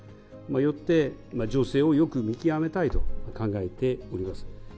よって情勢をよく見極めたいと考えております。